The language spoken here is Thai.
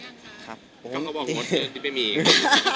กรรมกระบอบงดที่ไม่มีอีก